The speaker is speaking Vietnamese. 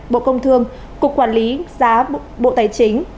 bộ công thương cục quản lý giá bộ tài chính